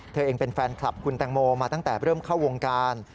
เธอเองเป็นแฟนคลับคุณแตงโมมาตั้งแต่เริ่มเข้าวงการ